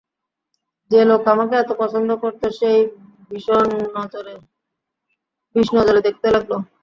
যে-লোক আমাকে এত পছন্দ করত, সে-ই বিষনজরে দেখতে লাগল।